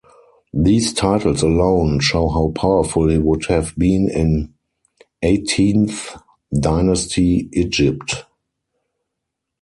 These titles alone show how powerful he would have been in Eighteenth Dynasty Egypt.